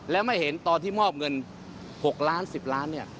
และไม่เห็นตอนที่มอบเงิน๖ล้าน๑๐ล้านเนี่ย